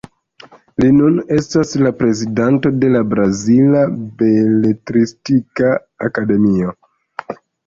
Li nun estas la prezidanto de la Brazila Beletristika Akademio.